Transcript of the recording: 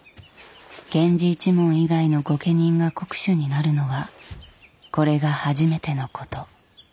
源氏一門以外の御家人が国守になるのはこれが初めてのこと。